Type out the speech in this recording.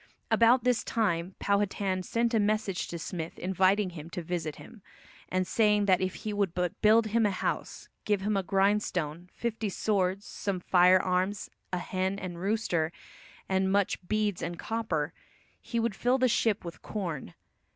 About this time Powhatan sent a message to Smith inviting him to visit him, and saying that if he would but build him a house, give him a grindstone, fifty swords, some firearms, a hen and rooster, and much beads and copper, he would fill the ship with corn.